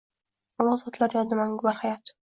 Ulug‘ zotlar yodi mangu barhayotng